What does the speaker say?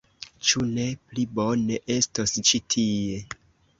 Ĉu ne pli bone estos ĉi tie.